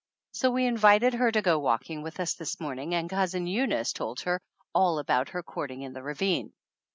So we invited her to go walking with us this morning and Cousin Eunice told her all about her court ing in the ravine.